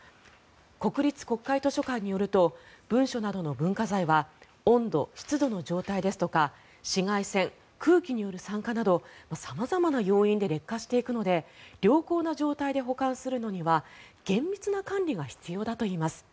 国立国会図書館によると文書などの文化財は温度・湿度の状態ですとか紫外線空気による酸化など様々な要因で劣化していくので良好な状態で保管するのには厳密な管理が必要だといいます。